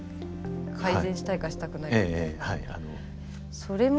改善したいかしたくないかっていう。